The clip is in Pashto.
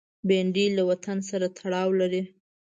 بېنډۍ له وطن سره تړاو لري